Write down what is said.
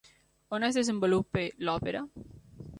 On es desenvolupa l'òpera?